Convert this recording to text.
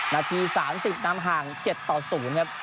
นาที๓๐นำห่าง๗ต่อ๐ครับ